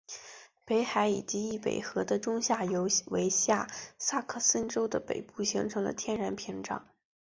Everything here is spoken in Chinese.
北海以及易北河的中下游为下萨克森州的北部形成了天然屏障。